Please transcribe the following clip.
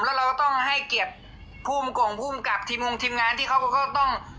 แล้วเราก็ต้องให้เกียรติภูมิกงภูมิกับทีมงงทีมงานที่เขาก็ต้อง